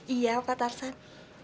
iya pak tarzan